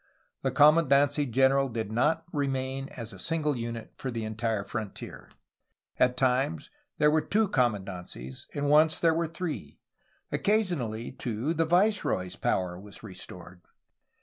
The commandancy general did not remain as a single unit for the entire frontier. At times there were two com mandancies, and once there were three. Occasionally, too, the viceroy's power was restored.